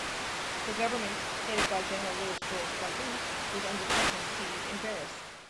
The government, headed by General Louis Jules Trochu, was under Prussian siege in Paris.